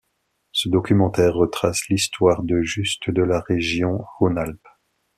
Ce documentaire retrace l'histoire de Justes de la région Rhône-Alpes.